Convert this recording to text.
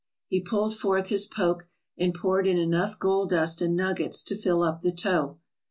He pulled forth his poke and poured in enough gold dust and nuggets to fill up the toe.